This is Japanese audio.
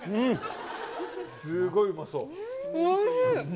すごいうまそう。